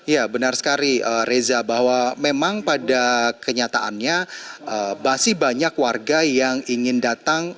ya benar sekali reza bahwa memang pada kenyataannya masih banyak warga yang ingin datang